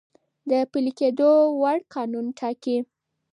د پلی کیدو وړ قانون ټاکی ،